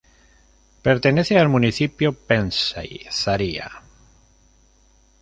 Pertenece al municipio Ventsy-Zariá.